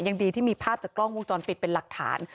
ยังดีที่มีภาพจากกล้องวงจรปิดเป็นหลักฐาน